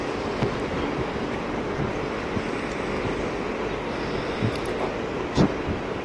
বাংলাদেশের অর্থনীতির চাকা সচল রাখতে এই নদী বন্দর গুরুত্বপূর্ণ ভূমিকা পালন করছে।